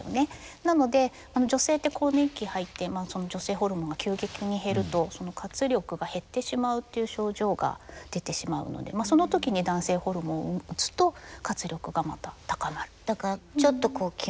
なので女性って更年期に入って女性ホルモンが急激に減ると活力が減ってしまうという症状が出てしまうのでその時に男性ホルモンを打つと活力がまた高まる。